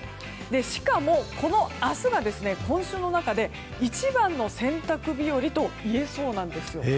しかも、この明日が今週の中で一番の洗濯日和といえそうなんですよ。